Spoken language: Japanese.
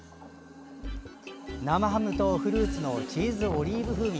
生ハムとフルーツのチーズオリーブ風味。